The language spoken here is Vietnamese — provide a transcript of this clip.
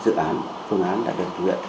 dự án phương án đã được thực hiện